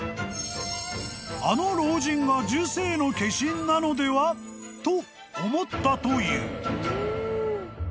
［あの老人が寿星の化身なのでは！？と思ったという］